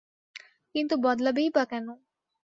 কিন্তু বদলাবেই বা কেন।